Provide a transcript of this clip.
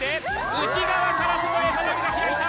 内側から外へ花火が開いた！